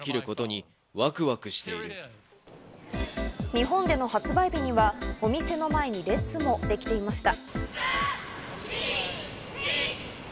日本での発売日にはお店の前に列もできていました。